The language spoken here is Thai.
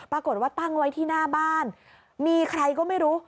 ปรากฏว่าตั้งไว้ที่หน้าบ้านมีใครก็ไม่รู้